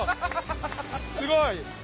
すごい。